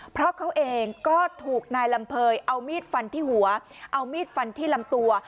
เพราะเขาเองก็ถูกนายลำเภยเอามีดฟันที่หัวเอามีดฟันที่ลำตัว